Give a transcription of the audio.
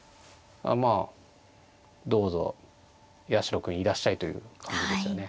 まあどうぞ八代君いらっしゃいという感じですよね。